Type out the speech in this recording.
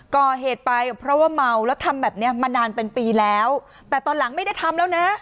ก่อเหตุไปเพราะว่าเมาแล้วทำแบบเนี้ยมานานเป็นปีแล้วแต่ตอนหลังไม่ได้ทำแล้วนะ